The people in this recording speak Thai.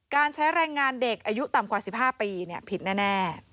การใช้แรงงานเด็กอายุต่ำกว่า๑๕ปีผิดแน่